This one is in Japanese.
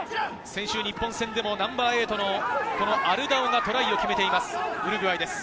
先週、日本戦でもナンバー８のアルダオがトライを決めています、ウルグアイです。